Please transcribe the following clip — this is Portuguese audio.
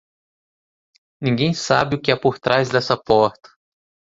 Ninguém sabe o que há por trás dessa porta.